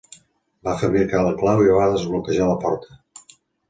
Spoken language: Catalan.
Va fabricar la clau i va desbloquejar la porta.